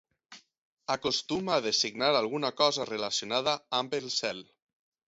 Acostuma a designar alguna cosa relacionada amb el cel.